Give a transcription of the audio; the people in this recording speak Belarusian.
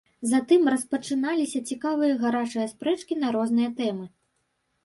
Затым распачыналіся цікавыя гарачыя спрэчкі на розныя тэмы.